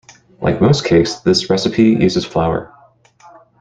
Like most cakes, this recipe uses flour.